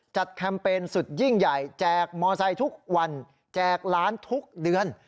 แคมเปญสุดยิ่งใหญ่แจกมอไซค์ทุกวันแจกล้านทุกเดือน